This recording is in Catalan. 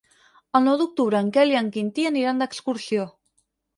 El nou d'octubre en Quel i en Quintí aniran d'excursió.